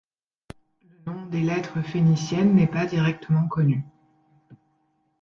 Le nom des lettres phéniciennes n'est pas directement connu.